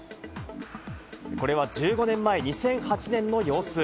これは１５年前、２００８年の様子。